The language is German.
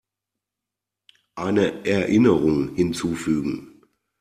Eine Erinnerung hinzufügen.